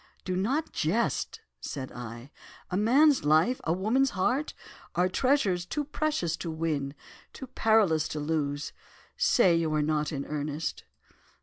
"'Do not jest,' said I, 'a man's life—a woman's heart, are treasures too precious to win—too perilous to lose; say you are not in earnest?